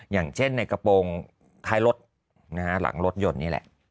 อย่างเช่นในกระโปรงท้ายรถหลังรถยนต์นี่แหละ